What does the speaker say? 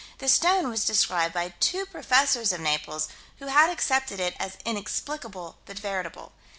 The stone was described by two professors of Naples, who had accepted it as inexplicable but veritable.